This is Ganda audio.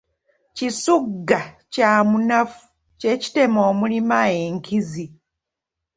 Kisugga kya munafu kye kitema omulima enkizi.